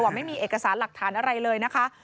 ไม่มีเอกสารหลักฐานอะไรเลยนะคะ